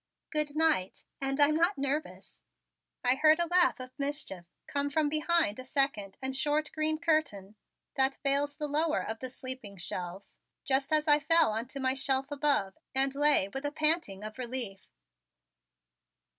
"Good night, and I'm not nervous," I heard a laugh of mischief come from behind a second and short green curtain, that veils the lower of the sleeping shelves, just as I fell onto my shelf above and lay with a panting of relief.